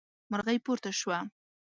مرغۍ پورته شوه.